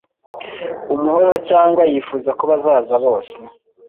Umuhoza cyangwa yifuza ko bazaza bose